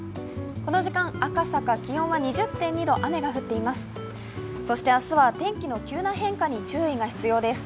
この時間、赤坂気温は２０．２度、雨が降っています。